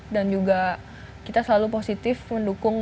dan juga kita selalu positif mendukung